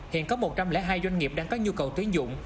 hiện có một trăm linh hai doanh nghiệp đang có nhu cầu tuyến dụng